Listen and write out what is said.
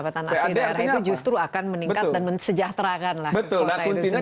pad artinya justru akan meningkat dan mensejahterakan lah kota itu sendiri